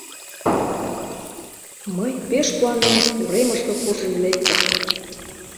Мый, пеш куанен, уремышке куржын лектым.